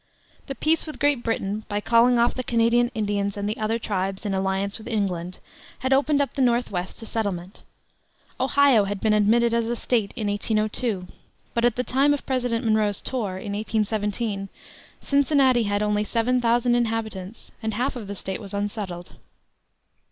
The peace with Great Britain, by calling off the Canadian Indians and the other tribes in alliance with England, had opened up the North west to settlement. Ohio had been admitted as a State in 1802; but at the time of President Monroe's tour, in 1817, Cincinnati had only seven thousand inhabitants, and half of the State was unsettled.